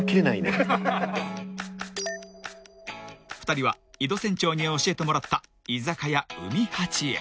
［２人は井戸船長に教えてもらった居酒屋海八へ］